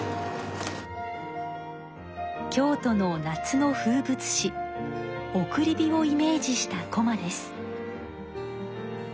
京都の夏の風物詩送り火をイメージしたこまです。